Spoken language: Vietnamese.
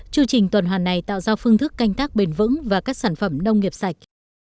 chương trình tuần hoàn này tạo ra phương thức canh tác bền vững và các sản phẩm nông nghiệp sạch